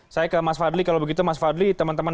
saya ke mas fadli kalau begitu mas fadli teman teman